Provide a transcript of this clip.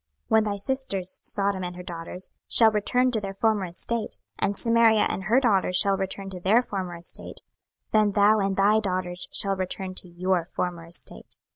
26:016:055 When thy sisters, Sodom and her daughters, shall return to their former estate, and Samaria and her daughters shall return to their former estate, then thou and thy daughters shall return to your former estate.